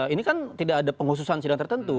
ini kan tidak ada penghususan sidang tertentu